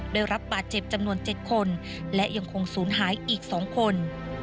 ได้รับบาดเจ็บจำนวน๗คนและยังคงศูนย์หายอีก๒คน